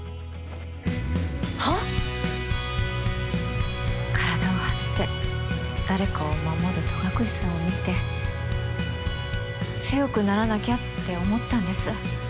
はぁ⁉体を張って誰かを守る戸隠さんを見て強くならなきゃって思ったんです。